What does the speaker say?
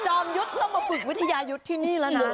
จอมยุทธ์ลงมาปรึกวิทยายุทธ์ที่นี่ละนะ